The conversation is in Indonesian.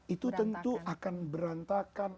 itu tentu akan berantakan